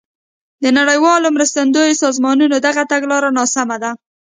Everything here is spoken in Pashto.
د نړیوالو مرستندویو سازمانونو دغه تګلاره ناسمه ده.